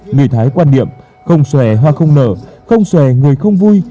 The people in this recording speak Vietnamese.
người thái quan điểm không xòe hoa không nở không xòe người không vui